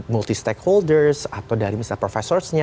multi stakeholders atau dari misalnya profesorsnya